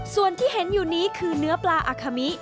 ส่วนที่เห็นอยู่นี้คือเนื้อปลาอาคามิ